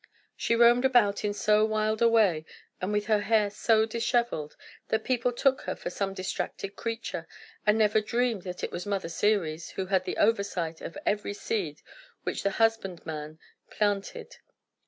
She roamed about in so wild a way, and with her hair so dishevelled, that people took her for some distracted creature, and never dreamed that this was Mother Ceres, who had the oversight of every seed which the husband man planted.